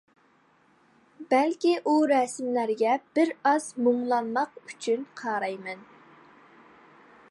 بەلكى ئۇ رەسىملەرگە بىر ئاز مۇڭلانماق ئۈچۈن قارايمەن.